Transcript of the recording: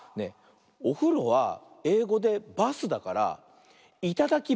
おふろはえいごで「バス」だから「いただきバス」ってどう？